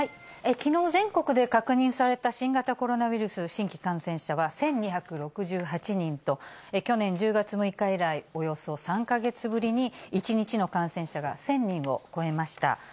きのう、全国で確認された新型コロナウイルス新規感染者は１２６８人と、去年１０月６日以来、およそ３か月ぶりに１日の感染者が１０００人を超えました。